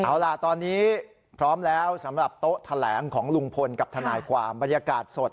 เอาล่ะตอนนี้พร้อมแล้วสำหรับโต๊ะแถลงของลุงพลกับทนายความบรรยากาศสด